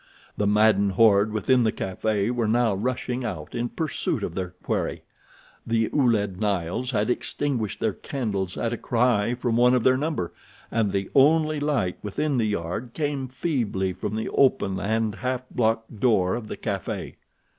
The maddened horde within the café were now rushing out in pursuit of their quarry. The Ouled Nails had extinguished their candles at a cry from one of their number, and the only light within the yard came feebly from the open and half blocked door of the café.